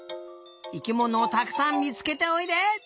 生きものをたくさんみつけておいで！